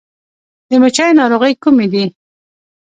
د مچیو ناروغۍ کومې دي؟